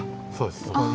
そうです。